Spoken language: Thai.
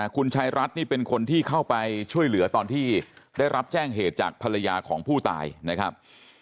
คุณชายรัฐนี่เป็นคนที่เข้าไปช่วยเหลือตอนที่ได้รับแจ้งเหตุจากภรรยาของผู้ตายนะครับ